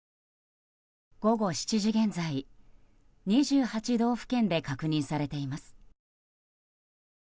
午後７時現在２８道府県で確認されています。